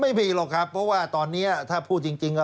ไม่มีหรอกครับเพราะว่าตอนนี้ถ้าพูดจริงก็